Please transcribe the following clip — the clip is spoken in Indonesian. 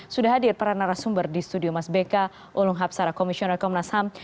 sudah hadir peran narasumber di studio mas beka ulung habsara komisioner komnas ham